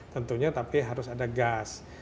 tentunya tapi harus ada gas